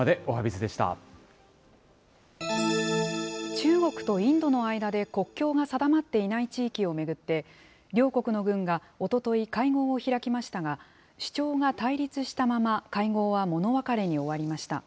中国とインドの間で、国境が定まっていない地域を巡って、両国の軍がおととい会合を開きましたが、主張が対立したまま、会合は物別れに終わりました。